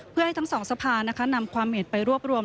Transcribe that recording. เพื่อให้ทั้งสองสภานำความเห็นไปรวบรวม